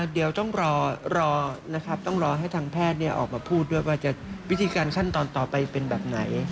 เดี๋ยวต้องรอนะครับต้องรอให้ทางแพทย์ออกมาพูดด้วยว่าวิธีการขั้นตอนต่อไปเป็นแบบไหน